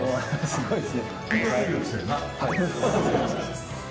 すごいですね。